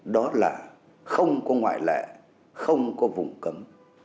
đó là không có ngoại lệ không có vùng cấm